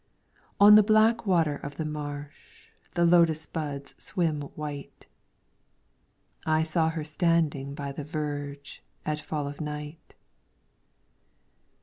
On the black water of the marsh. The lotus buds swim white. I saw her standing by the verge At fall of night.